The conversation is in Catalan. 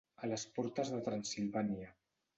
A les portes de Transilvània.